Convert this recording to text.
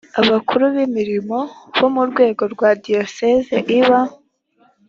abakuru b imirimo mu rwego rwa diyosesi iba